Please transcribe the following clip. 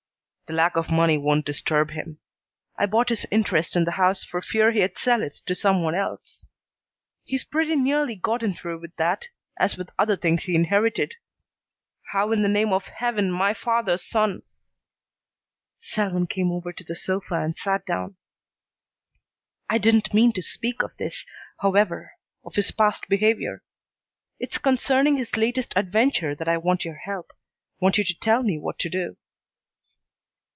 "The lack of money doesn't disturb him. I bought his interest in the house for fear he'd sell it to some one else. He's pretty nearly gotten through with that, as with other things he inherited. How in the name of Heaven my father's son " Selwyn came over to the sofa and sat down. "I didn't mean to speak of this, however; of his past behavior. It's concerning his latest adventure that I want your help, want you to tell me what to do."